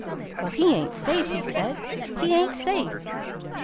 "Why, he ain't safe!" he said. "He ain't safe!